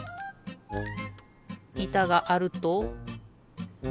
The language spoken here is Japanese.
いたがあると。